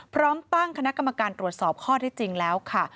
พร้อมตั้งคณะกรรมการตรวจสอบข้อที่จริงแล้วค่ะ